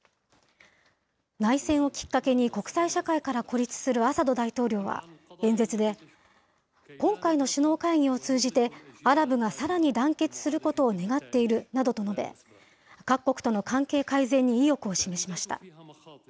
内戦をきっかけに国際社会から孤立するアサド大統領は演説で、今回の首脳会議を通じて、アラブがさらに団結することを願っているなどと述べ、各国との関係改善に意欲を示しました。